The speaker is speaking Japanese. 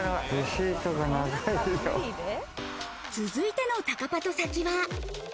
続いてのタカパト先は。